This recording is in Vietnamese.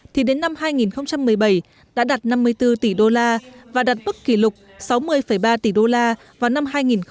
thì đến năm hai nghìn một mươi bảy đã đạt năm mươi bốn tỷ đô la và đạt bức kỷ lục sáu mươi ba tỷ đô la vào năm hai nghìn một mươi tám